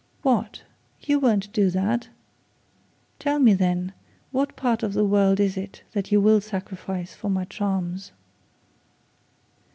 'What! You won't do that. Tell me then, what part of the world is it that you will sacrifice for my charms?'